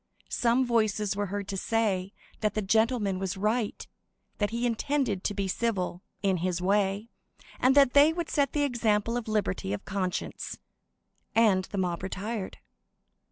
Some voices were heard to say that the gentleman was right; that he intended to be civil, in his way, and that they would set the example of liberty of conscience,—and the mob retired.